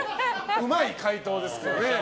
うまい解答ですけどね。